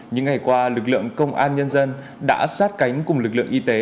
những ngày qua lực lượng công an nhân dân đã sát cánh cùng lực lượng y tế